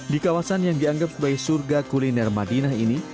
di kawasan yang dianggap sebagai surga kuliner madinah ini